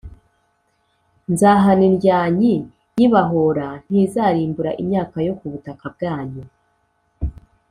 Nzahana indyanyi nyibahora ntizarimbura imyaka yo ku butaka bwanyu